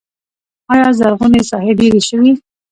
آیا زرغونې ساحې ډیرې شوي؟